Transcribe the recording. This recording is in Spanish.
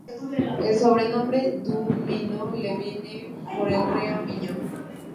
El sobrenombre de "do Minho" le viene por el río Miño.